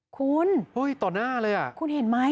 คุณเฮ้ยต่อหน้าเลยอ่ะคุณเห็นไหม